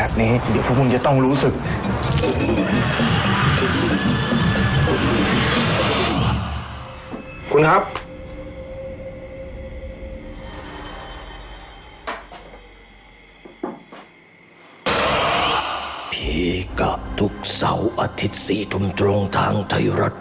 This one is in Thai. เพียกกับทุกเสาอาทิตย์๔ทุมตรงทางไทยรัฐที